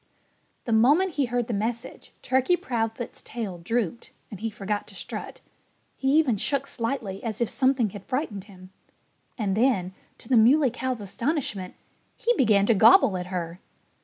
The moment he heard the message Turkey Proudfoot's tail drooped and he forgot to strut. He even shook slightly, as if something had frightened him. And then, to the Muley Cow's astonishment, he began to gobble at her.